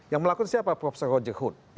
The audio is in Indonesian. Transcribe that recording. yang melakukan siapa profesor roger hood